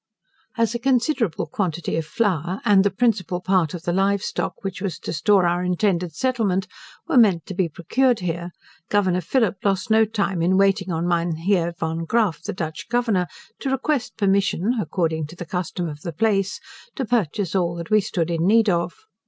As a considerable quantity of flour, and the principal part of the live stock, which was to store our intended settlement, were meant to be procured here, Governor Phillip lost no time in waiting on Mynheer Van Graaffe, the Dutch Governor, to request permission (according to the custom of the place) to purchase all that we stood in need of.